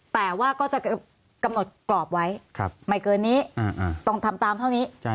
แต่ว่าก็จะกำหนดกรอบไว้ไม่เกินนี้ต้องทำตามเท่านี้